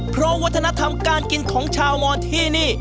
เพราะวัฒนธรรมการกินของชาวมอนที่นี่